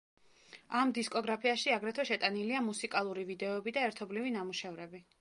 ამ დისკოგრაფიაში აგრეთვე შეტანილია მუსიკალური ვიდეოები და ერთობლივი ნამუშევრები.